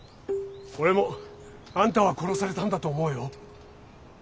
俺もあんたは殺されたんだと思うよ。